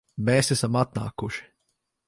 Mēs esam atnākuši